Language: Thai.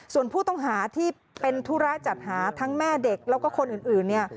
ส่วนผู้ต้องหาที่เป็นธุระจัดหาทั้งแม่เด็กแล้วก็คนอื่นเนี่ย